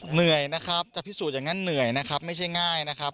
เหนื่อยนะครับจะพิสูจน์อย่างนั้นเหนื่อยนะครับไม่ใช่ง่ายนะครับ